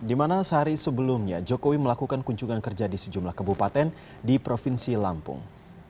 dimana sehari sebelumnya jokowi melakukan kuncungan kerja di sejumlah kebupaten di provinsi lampung